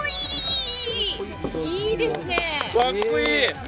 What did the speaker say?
かっこいい！